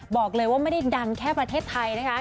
บอกเลยว่าไม่ได้ดังแค่ประเทศไทยนะคะ